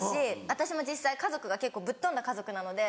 私も実際家族が結構ぶっ飛んだ家族なので。